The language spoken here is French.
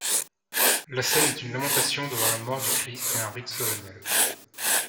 La scène est une lamentation devant la mort du Christ et un rite solennel.